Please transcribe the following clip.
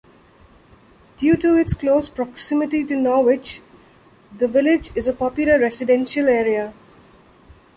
Due to its close proximity to Norwich, the village is a popular residential area.